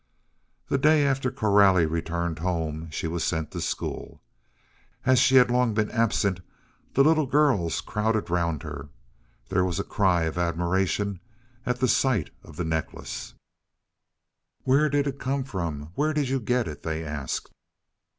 The day after Coralie returned home she was sent to school. As she had long been absent, the little girls crowded round her. There was a cry of admiration at sight of the necklace. "Where did it come from? Where did you get it?" they asked.